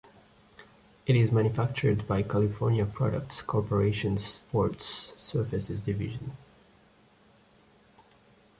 It is manufactured by California Products Corporation's Sports Surfaces division.